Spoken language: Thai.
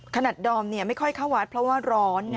ขนาดดอมเนี่ยไม่ค่อยเข้าวัดเพราะว่าร้อนนะ